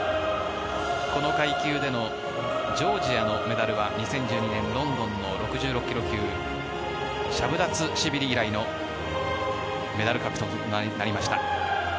この階級でのジョージアのメダルは２０１２年ロンドンの６６ｋｇ級以来のメダル獲得となりました。